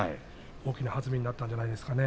大きな弾みになったんじゃないでしょうか。